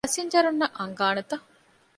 ފަސިންޖަރުންނަށް އަންގާނެތަ؟